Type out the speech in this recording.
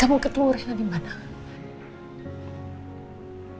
kamu ketemu rena dimana